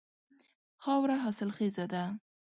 خاوره حاصل خیزه ده.